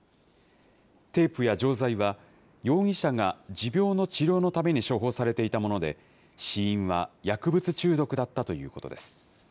テープや錠剤は、容疑者が持病の治療のために処方されていたもので、死因は薬物中毒だったということです。